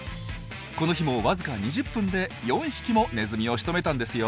この日もわずか２０分で４匹もネズミをしとめたんですよ。